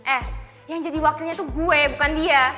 eh yang jadi wakilnya tuh gue bukan dia